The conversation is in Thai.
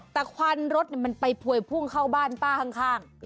แต่ควันรถมันไปพวยพุ่งเข้าบ้านป้าข้าง